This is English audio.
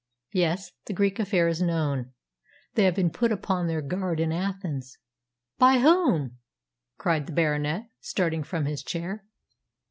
"Yes. The Greek affair is known. They have been put upon their guard in Athens." "By whom?" cried the Baronet, starting from his chair.